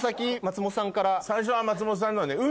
最初は松本さんなのね。